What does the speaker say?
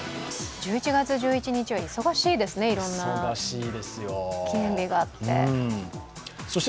１１月１１日は忙しいですね、いろんな記念日があって。